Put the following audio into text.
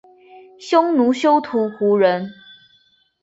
匈奴休屠胡人。